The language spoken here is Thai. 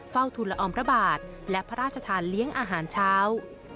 ทุนละออมพระบาทและพระราชทานเลี้ยงอาหารเช้า